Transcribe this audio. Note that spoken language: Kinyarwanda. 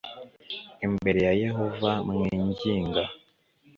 imbere ya yehova mwinginga